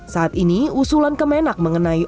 saat ini usulan kemenak mengenai